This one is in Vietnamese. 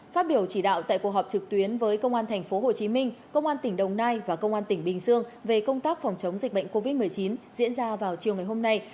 phát biểu chỉ đạo tại cuộc họp trực tuyến với công an tp hcm công an tỉnh đồng nai và công an tỉnh bình dương về công tác phòng chống dịch bệnh covid một mươi chín diễn ra vào chiều ngày hôm nay